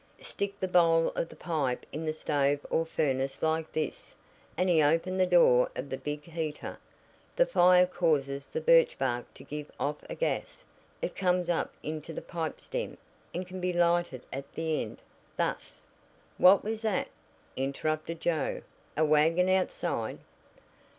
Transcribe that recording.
Stick the bowl of the pipe in the stove or furnace like this," and he opened the door of the big heater; "the fire causes the birchbark to give off a gas, it comes up into the pipestem, and can be lighted at the end, thus " "What was that?" interrupted Joe. "A wagon outside?"